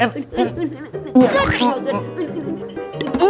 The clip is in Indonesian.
ganteng loh ganteng